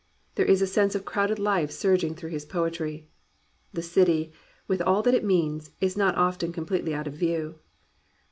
There is a sense of crowded life surging through his poetry. The city, with all that it means, is not often com pletely out of view.